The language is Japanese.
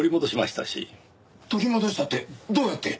取り戻したってどうやって？